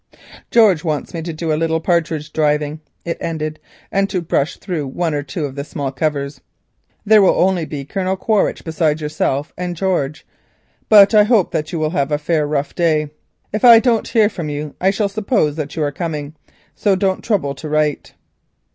"George wants me to do a little partridge driving," it ended, "and to brush through one or two of the small coverts. There will only be Colonel Quaritch besides yourself and George, but I hope that you will have a fair rough day. If I don't hear from you I shall suppose that you are coming, so don't trouble to write."